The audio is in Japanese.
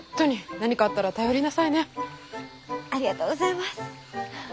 ありがとうございます。